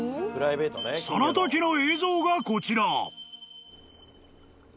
［そのときの映像がこちら］